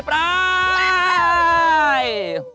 ไป